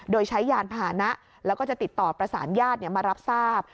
โดยใช้ยานพานะแล้วก็จะติดต่อประสานญาติมารับทราบ